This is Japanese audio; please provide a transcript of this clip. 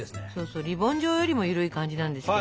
そうリボン状よりも緩い感じなんですけど。